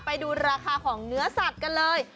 ไปดูราคาของเนื้อสัตว์กันเลย